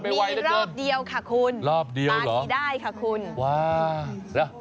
มีรอบเดียวค่ะคุณมาดีได้ค่ะคุณ